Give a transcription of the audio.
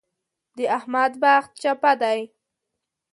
د احمد بخت چپه دی.